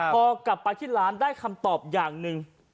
พอกลับไปที่ร้านได้คำตอบอย่างหนึ่ง